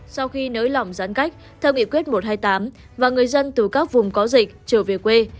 sau khi nới lỏng giãn cách theo nghị quyết một trăm hai mươi tám và người dân từ các vùng có dịch trở về quê